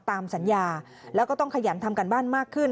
ตามสัญญาแล้วก็ต้องขยันทำการบ้านมากขึ้น